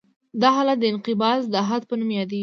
دا حالت د انقباض د حد په نوم یادیږي